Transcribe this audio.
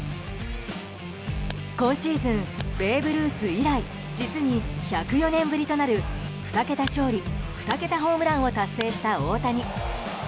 今シーズン、ベーブ・ルース以来実に１０４年ぶりとなる２桁勝利２桁ホームランを達成した大谷。